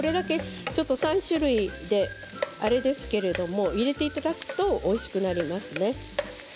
３種類であれですけれども入れていただくとおいしくなりますね。